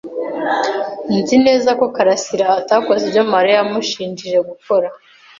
Nzi neza ko karasira atakoze ibyo Mariya yamushinje gukora.